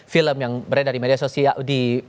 film yang beredar di media sosial di